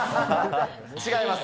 違います。